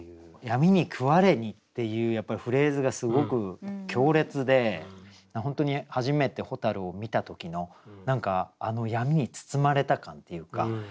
「闇に食われに」っていうフレーズがすごく強烈で本当に初めて蛍を見た時の何かあの闇に包まれた感っていうか。